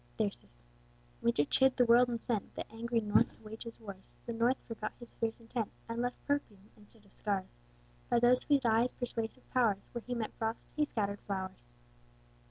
Thyrsis. Winter chid the world, and sent The angry North to wage his wars: The North forgot his fierce intent, And left perfumes, instead of scars: By those sweet eyes' persuasive powers, Where he meant frosts, he scattered flowers.